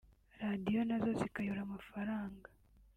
Radio nazo zikayora amafaranga